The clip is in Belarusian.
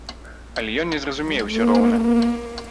Але ён не зразумее ўсё роўна.